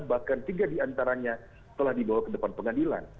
bahkan tiga diantaranya telah dibawa ke depan pengadilan